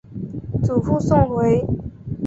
祖父宋回。